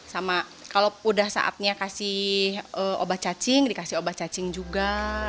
sama kalau sudah saatnya dikasih obat cacing dikasih obat cacing juga